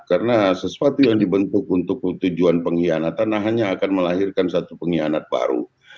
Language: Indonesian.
karena sesuatu yang dibentuk untuk tujuan pengkhianatan hanya akan melahirkan satu pengkhianat baru